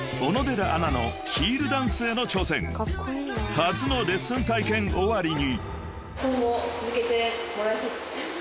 ［初のレッスン体験終わりに］